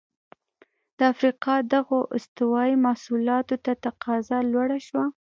د افریقا دغو استوايي محصولاتو ته تقاضا لوړه شوه.